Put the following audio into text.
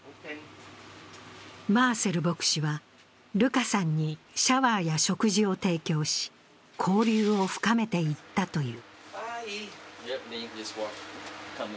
マーセル牧師はルカさんにシャワーや食事を提供し、交流を深めていったという。